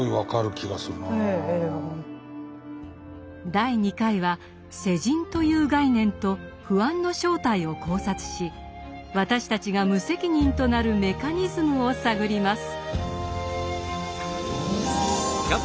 第２回は「世人」という概念と「不安」の正体を考察し私たちが無責任となるメカニズムを探ります。